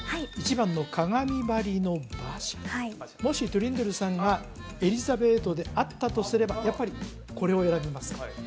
１番の鏡ばりの馬車もしトリンドルさんがエリザベートであったとすればやっぱりこれを選びますか？